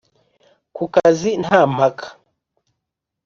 ku kazi nta mpaka,